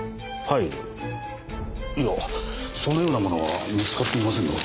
いやぁそのようなものは見つかっていませんよ。